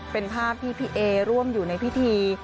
เป็นภาพที่พี่เอร่วมอยู่ในพิธี